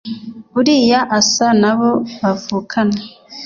Uriya asa nabo bavukana